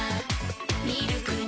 ミルクに